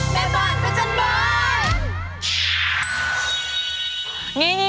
แม่บ้านพระจันทร์บ้าน